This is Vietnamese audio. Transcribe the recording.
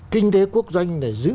kinh tế quốc doanh là giữ